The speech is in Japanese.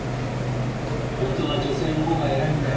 本当は女性の方が偉いんだよ。